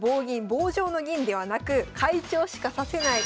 棒状の銀ではなく会長しかさせない。